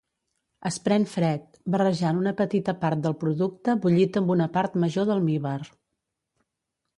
Es pren fred, barrejant una petita part del producte bullit amb una part major d'almívar.